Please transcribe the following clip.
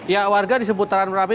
ya warga di seputaran merapi